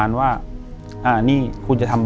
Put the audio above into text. อยู่ที่แม่ศรีวิรัยิลครับ